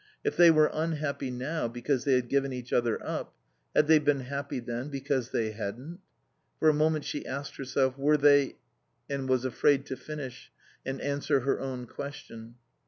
If they were unhappy now because they had given each other up, had they been happy then because they hadn't? For a moment she asked herself, "Were they ?" and was afraid to finish and answer her own question.